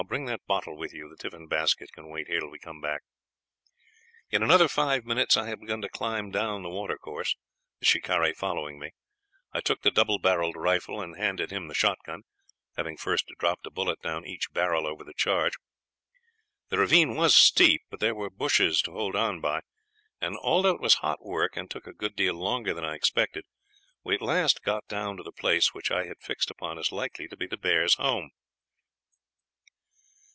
Bring that bottle with you; the tiffin basket can wait here till we come back.' In another five minutes I had begun to climb down the watercourse the shikaree following me. I took the double barreled rifle and handed him the shotgun, having first dropped a bullet down each barrel over the charge. The ravine was steep, but there were bushes to hold on by, and although it was hot work and took a good deal longer than I expected, we at last got down to the place which I had fixed upon as likely to be the bears' home.